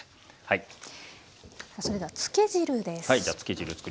それではつけ汁です。